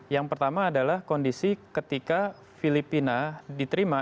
yang pertama adalah kondisi ketika filipina diterima